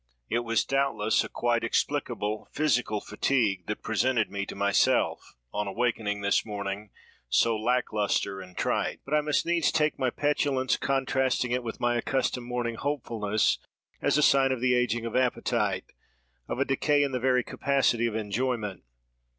It was doubtless a quite explicable, physical fatigue that presented me to myself, on awaking this morning, so lack lustre and trite. But I must needs take my petulance, contrasting it with my accustomed morning hopefulness, as a sign of the ageing of appetite, of a decay in the very capacity of enjoyment.